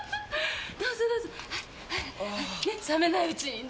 どうぞ冷めないうちに。